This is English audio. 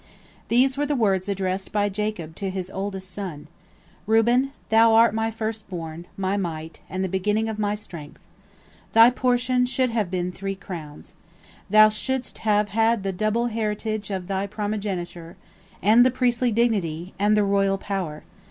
These were the words addressed by Jacob to his oldest son: "Reuben, thou art my first born, my might, and the beginning of my strength! Thy portion should have been three crowns. Thou shouldst have had the double heritage of thy primogeniture, and the priestly dignity, and the royal power.